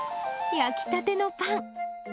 焼きたてのパン。